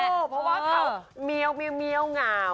เพราะว่าเฉินเหมียวเหงา